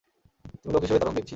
তুমি লোক হিসেবে দারুণ দেখছি।